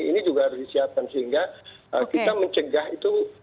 ini juga harus disiapkan sehingga kita mencegah itu